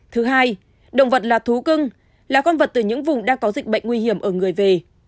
thứ hai động vật là thú cưng là con vật từ những vùng đang có dịch bệnh nguy hiểm ở người về